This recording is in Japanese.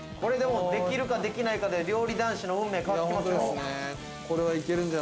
できるか、できないかで料理男子の運命変わってくるよ。